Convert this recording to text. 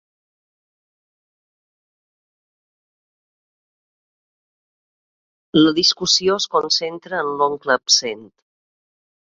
La discussió es concentra en l'oncle absent.